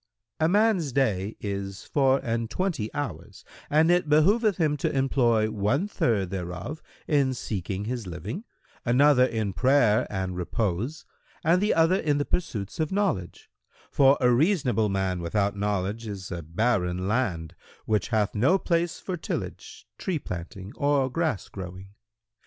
"—"A man's day is four and twenty hours, and it behoveth him to employ one third thereof in seeking his living, another in prayer and repose and the other in the pursuits of knowledge;[FN#108] for a reasonable man without knowledge is a barren land, which hath no place for tillage, tree planting or grass growing.